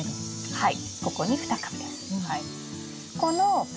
はい。